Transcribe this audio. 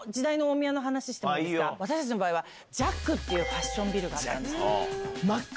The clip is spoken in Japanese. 私たちの場合は ＪＡＣＫ っていうファッションビルがあったんです。